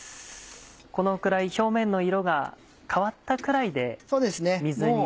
このくらい表面の色が変わったくらいで水に。